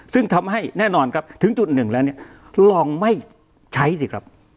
ซึ่งทำให้แน่นอนครับถึงจุดหนึ่งแล้วเนี่ยลองไม่ใช้สิครับ